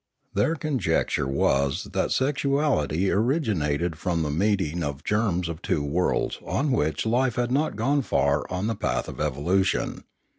Their conjecture was that sexuality originated from the meeting of the germs of two worlds on which life had not gone far on the path of evolution.